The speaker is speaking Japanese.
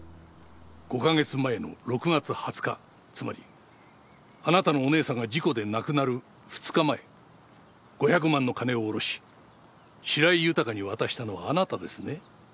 ５カ月前の６月２０日つまりあなたのお姉さんが事故で亡くなる２日前５００万の金を下ろし白井豊に渡したのはあなたですね？